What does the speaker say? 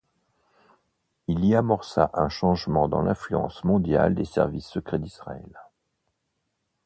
Il y amorça un changement dans l'influence mondiale des services secrets d'Israël.